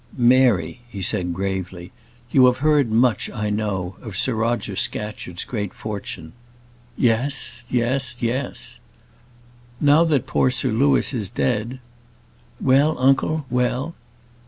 "Mary," he said gravely, "you have heard much, I know, of Sir Roger Scatcherd's great fortune." "Yes, yes, yes!" "Now that poor Sir Louis is dead " "Well, uncle, well?"